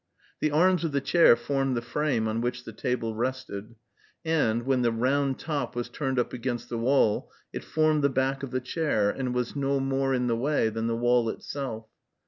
The arms of the chair formed the frame on which the table rested; and, when the round top was turned up against the wall, it formed the back of the chair, and was no more in the way than the wall itself.